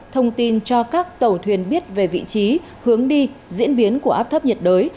thông tin cho các tàu thuyền biết về vị trí hướng đi diễn biến của áp thấp nhiệt đới